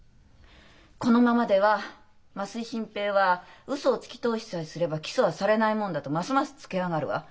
このままでは増井新平は「ウソをつき通しさえすれば起訴はされないもんだ」とますますつけあがるわ。